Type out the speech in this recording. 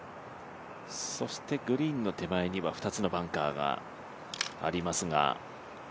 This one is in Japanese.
そしてグリーンの手前には２つのバンカーがありますが。